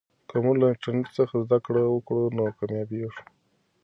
که موږ له انټرنیټ څخه زده کړه وکړو نو کامیابېږو.